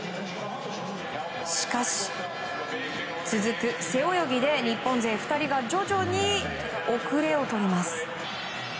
しかし続く背泳ぎで日本勢２人が徐々に後れを取ります。